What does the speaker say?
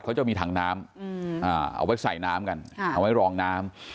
เขาจะมีถังน้ำเอาไว้ใส่อะไรรองน้ำ